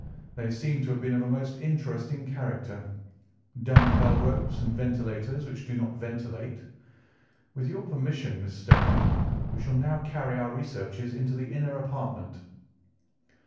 "They seem to have been of a most interesting character—dummy bell ropes, and ventilators which do not ventilate. With your permission, Miss Stoner, we shall now carry our researches into the inner apartment."